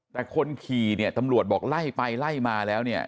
แต่คนขี่เนี่ยตำรวจบอกไล่ไปไล่มาแล้วเนี่ย